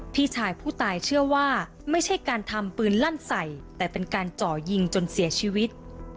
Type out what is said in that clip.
พี่ชายผู้ตายเชื่อว่าไม่ใช่การทำปืนลั่นใส่แต่เป็นการเจาะยิงจนเสียชีวิต